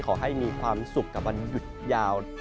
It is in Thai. ขอให้มีความสุขกับวันหยุดยาว